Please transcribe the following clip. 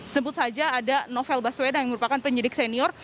sebut saja ada novel baswedan yang merupakan penyidik senior